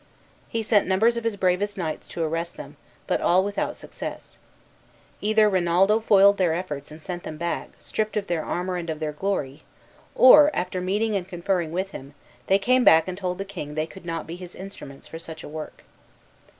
He sent numbers of his bravest knights to arrest them, but all without success. Either Rinaldo foiled their efforts and sent them back, stripped of their armor and of their glory, or, after meeting and conferring with him, they came back and told the king they could not be his instruments for such a work.